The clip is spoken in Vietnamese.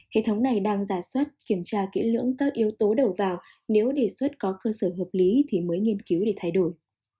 hệ thống này đang giả soát kiểm tra kỹ lưỡng các yếu tố đầu vào nếu đề xuất có cơ sở hợp lý thì mới nghiên cứu để thay đổi